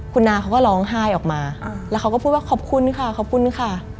คุณนาเขาก็ร้องไห้ออกมาแล้วเขาก็พูดว่าขอบคุณค่ะขอบคุณค่ะ